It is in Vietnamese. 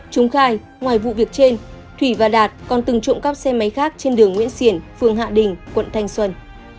chúng khai ngoài vụ việc trên thủy và đạt còn từng trộm cắp xe máy khác trên đường nguyễn xiển phường hạ đình quận thanh xuân